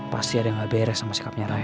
pasti ada yang gak beres sama sikapnya rai